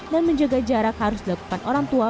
dan menjaga jarak harus dilakukan orang tua